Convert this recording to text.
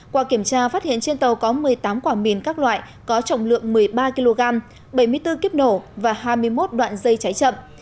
qua kiểm tra phát hiện trên tàu có một mươi tám quả mìn các loại có trọng lượng một mươi ba kg bảy mươi bốn kiếp nổ và hai mươi một đoạn dây cháy chậm